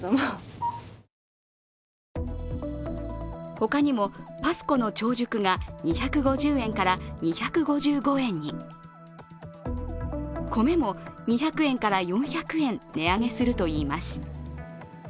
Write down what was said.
他にもパスコの超熟が２５０円から２５５円に、米も２００円から４００円値上げするといいます。